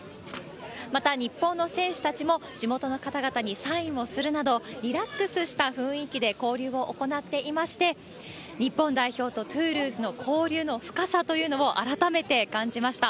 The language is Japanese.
また、日本の選手たちも、地元の方々にサインをするなど、リラックスした雰囲気で交流を行っていまして、日本代表とトゥールーズの交流の深さというのを改めて感じました。